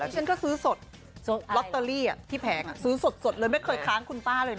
ฉันก็ซื้อสดลอตเตอรี่ที่แผงซื้อสดเลยไม่เคยค้างคุณป้าเลยนะ